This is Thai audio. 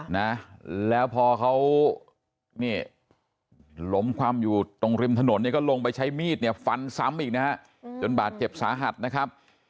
นะแล้วพอเขาเนี่ยล้มคว่ำอยู่ตรงริมถนนเนี่ยก็ลงไปใช้มีดเนี่ยฟันซ้ำอีกนะฮะจนบาดเจ็บสาหัสนะครับ